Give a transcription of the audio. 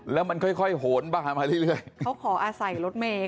แล้วมันค่อยโหนบ้านมาที่เรื่อยเขาขออาศัยรถเมฆ